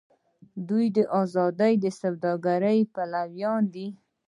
دوی د ازادې سوداګرۍ پلویان دي.